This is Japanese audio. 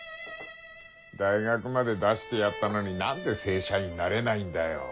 大学まで出してやったのに何で正社員になれないんだよ。